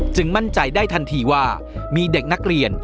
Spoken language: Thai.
มั่นใจได้ทันทีว่ามีเด็กนักเรียน